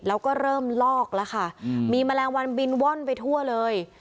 แล้วก็เริ่มลอกแล้วค่ะมีแมลงวันบินว่อนไปทั่วเลย